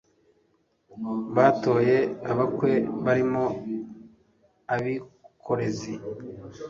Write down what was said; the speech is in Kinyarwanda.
batoye abakwe barimo abikorezi